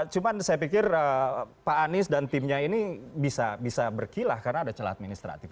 cuma saya pikir pak anies dan timnya ini bisa berkilah karena ada celah administratif